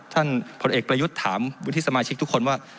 ผลเอกประยุทธ์ถามวุฒิสมาชิกทุกคนว่า